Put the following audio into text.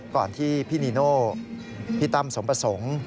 ก่อนที่พี่นีโน่พี่ตั้มสมประสงค์